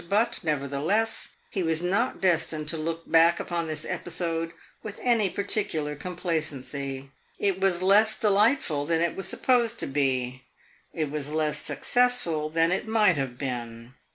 But, nevertheless, he was not destined to look back upon this episode with any particular complacency. It was less delightful than it was supposed to be; it was less successful than it might have been.